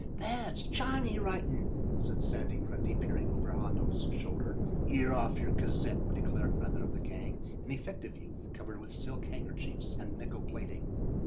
"That's Chiny writin'," said Sandy Grundy, peering over Hondo's shoulder. "You're off your kazip," declared another of the gang, an effective youth, covered with silk handkerchiefs and nickel plating.